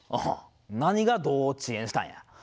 何がどう遅延したんや。